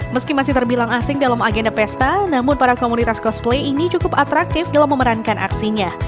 meski masih terbilang asing dalam agenda pesta namun para komunitas cosplay ini cukup atraktif dalam memerankan aksinya